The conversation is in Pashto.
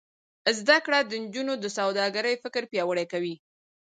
زده کړه د نجونو د سوداګرۍ فکر پیاوړی کوي.